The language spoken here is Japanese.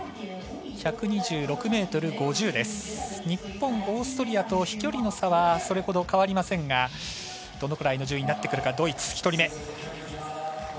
日本、オーストリアと飛距離の差はそれほど変わりませんがどのぐらいの順位になるかドイツ、１人目。